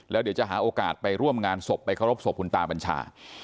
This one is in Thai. แล้วเดี๋ยวจะหาโอกาสไปร่วมงานศพไปเคารพศพคุณตาบัญชา